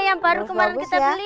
yang baru kemarin kita beli